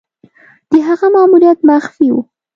د هغه ماموریت مخفي وو.